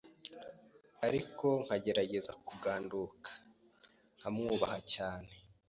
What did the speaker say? ariko nkagerageza kuganduka nkamwubaha cyane.